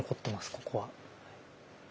ここは。